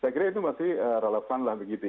saya kira itu masih relevan lah begitu ya